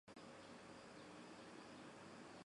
阇耶跋摩三世在吴哥城建都。